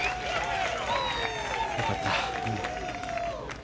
よかった。